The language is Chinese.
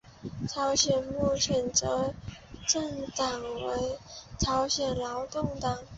朝鲜目前的执政党为朝鲜劳动党。